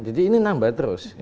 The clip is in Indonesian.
jadi ini nambah terus